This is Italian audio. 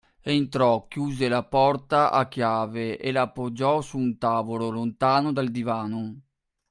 entrò, chiuse la porta a chiave a la appoggiò su un tavolo, lontano dal divano.